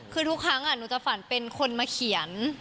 คือทุกครั้งหนูจะฝันเป็นคนมาเขียน